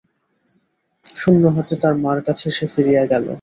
শূন্য হাতে তার মার কাছে সে ফিরিয়া গেল।